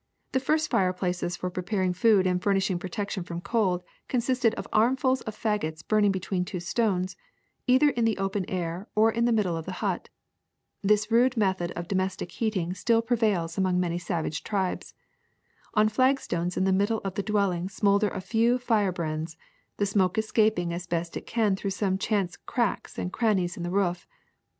The first fireplaces for preparing food and furnishing protection from cold consisted of armfuls of fagots burning between two stones, either in the open air or in the middle of the hut. This rude method of domestic heating still pre vails among many savage tribes. On flagstones in the middle of the dwelling smolder a few firebrands, the smoke escaping as best it can through some chance cracks and crannies in the roof.